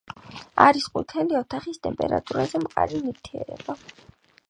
არის ყვითელი, ოთახის ტემპერატურაზე მყარი ნივთიერება.